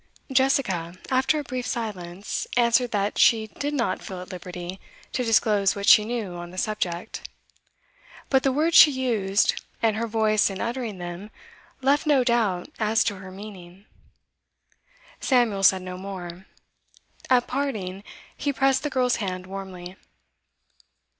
Jessica, after a brief silence, answered that she did not feel at liberty to disclose what she knew on the subject; but the words she used, and her voice in uttering them, left no doubt as to her meaning. Samuel said no more. At parting, he pressed the girl's hand warmly.